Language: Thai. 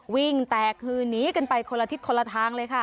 วิ่งแตกคือหนีกันไปคนละทิศคนละทางเลยค่ะ